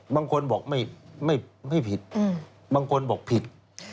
บางคนบอกไม่ผิดบางคนบอกผิด